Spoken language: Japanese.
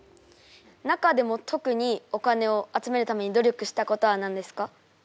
中でも特にお金を集めるために努力したことは何ですか？